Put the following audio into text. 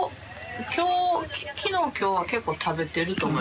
今日昨日今日は結構食べてると思います。